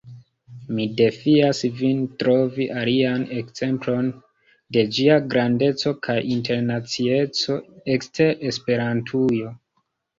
Mi defias vin trovi alian ekzemplon de ĝia grandeco kaj internacieco, ekster Esperantujo.